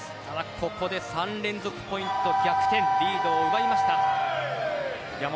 ただ、ここで３連続ポイント逆転リードを奪いました。